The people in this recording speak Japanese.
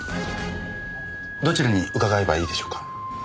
どちらに伺えばいいでしょうか。